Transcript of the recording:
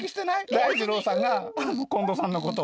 大二郎さんが近藤さんのことを。